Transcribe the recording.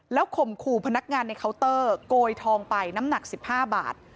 ข่มขู่พนักงานในเคาน์เตอร์โกยทองไปน้ำหนัก๑๕บาท